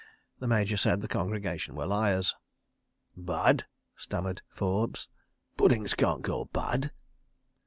The Major said that the congregation were liars. "Bad?" stammered Forbes. "Puddings can't go bad.